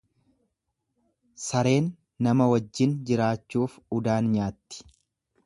Sareen nama wajjin jiraachuuf udaan nyaatti.